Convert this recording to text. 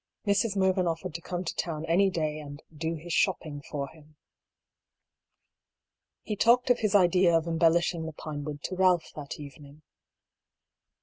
Mrs. Mervyn offered to come to town any day and " do his shopping for him." He talked of his idea of embellishing the Pinewood to Balph that evening.